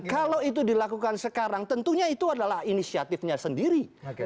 kalau itu dilakukan sekarang tentunya itu adalah inisiatifnya sendiri